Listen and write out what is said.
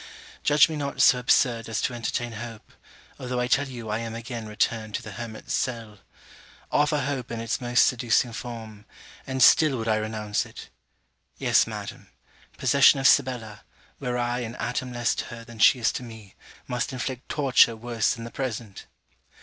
Judge me not so absurd as to entertain hope, although I tell you I am again returned to the hermit's cell. Offer hope in its most seducing form; and still would I renounce it. Yes, Madam: possession of Sibella, were I an atom less to her than she is to me, must inflict torture worse than the present.